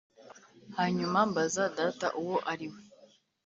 hanyuma mbaza data uwo ari we.